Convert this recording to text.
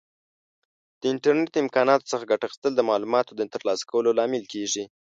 د انټرنیټ د امکاناتو څخه ګټه اخیستل د معلوماتو د ترلاسه کولو لامل کیږي.